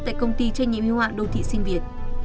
tại công ty trách nhiệm hưu hạn đô thị sinh việt